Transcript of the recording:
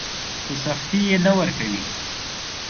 په سختي يې نه ورکوي.